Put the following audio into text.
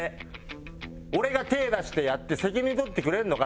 俺が手出してやって責任取ってくれるのか？